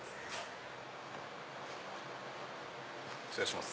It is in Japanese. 失礼します。